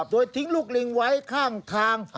โดยทิ้งลูกลิงไว้ข้างทาง